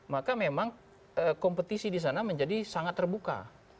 maka memang kompetisi disana menjadi sangat terbuka